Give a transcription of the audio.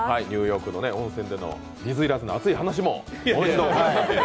ニューヨークの温泉での水入らずの熱い話も。